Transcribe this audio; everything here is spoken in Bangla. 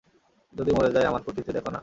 যদি মরে যাই, আমার কুঠরিতে দেখো না!